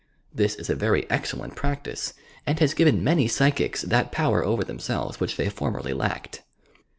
This is a very excellent practice and has given many psychics that power over themselves which they formerly lacked.